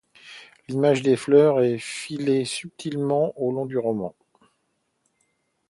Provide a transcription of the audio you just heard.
L'image des fleurs est filée subtilement au long du roman.